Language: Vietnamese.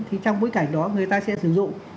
thì trong bối cảnh đó người ta sẽ sử dụng